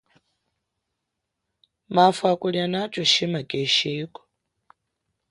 Mafo akulia nacho shima keshiko.